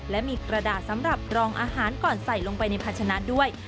และมีกระดาษสำหรับรองอาหารก่อนใส่ลงไปในภาชนะด้วย